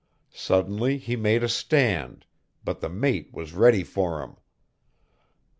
Suddenly he made a stand, but the mate was ready for him.